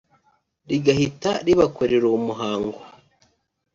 rigahita ribakorera uwo muhango